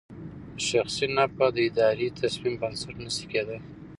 شخصي نفعه د اداري تصمیم بنسټ نه شي کېدای.